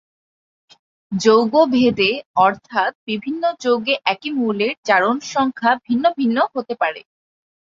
যৌগ ভেদে অর্থাৎ বিভিন্ন যৌগে একই মৌলের জারণ সংখ্যা ভিন্ন ভিন্ন হতে পারে।